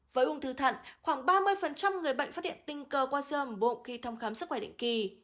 với ung thư thận khoảng ba mươi người bệnh phát hiện tình cờ qua sơ hở khi thăm khám sức khỏe định kỳ